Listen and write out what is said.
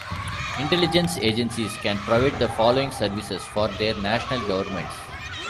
Intelligence agencies can provide the following services for their national governments.